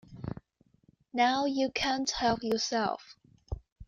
Now you can't help yourself.